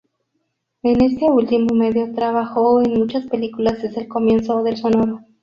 En este último medio trabajo en muchas películas desde el comienzo del sonoro.